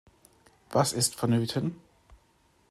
Was ist vonnöten?